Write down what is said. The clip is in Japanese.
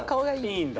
いいんだ。